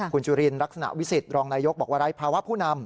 คุณจุลินลักษณะวิสิตรองนายกบอกว่าไร้ภาวะผู้นำ